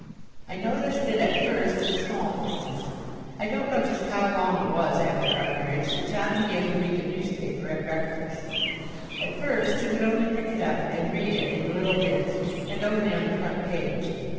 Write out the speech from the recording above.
I noticed it at first in small things. I don't know just how long it was after our marriage that John began to read the newspaper at breakfast. At first he would only pick it up and read it in little bits, and only on the front page.